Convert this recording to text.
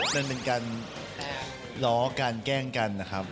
มันเป็นการล้อการแกล้งกันนะครับ